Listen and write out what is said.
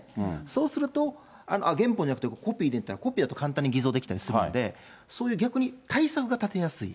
そうすると、あっ、原本じゃなくてコピーでいいといったら、コピーやと、簡単に偽造できたりするんで、そういう逆に、対策が立てやすい。